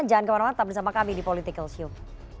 jangan kemana mana tetap bersama kami di political show